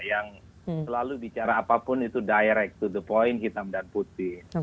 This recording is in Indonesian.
yang selalu bicara apapun itu direct to the point hitam dan putih